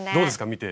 見て。